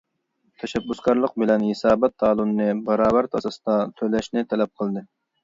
تەشەببۇسكارلىق بىلەن ھېسابات تالونىنى باراۋەر ئاساستا تۆلەشنى تەلەپ قىلىش.